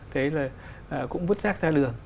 thế là cũng vứt rác ra đường